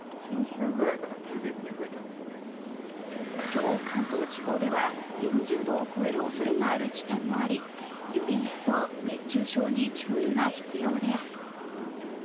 今日、関東地方では４０度を超えるおそれがある地点もありより一層、熱中症に注意が必要です。